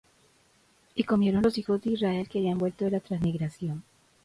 Y comieron los hijos de Israel que habían vuelto de la transmigración,